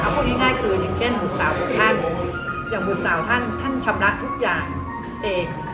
พวกนี้ง่ายคือยังเก้นบุษสาวท่านอย่างบุษสาวท่านท่านชำระทุกอย่างเอง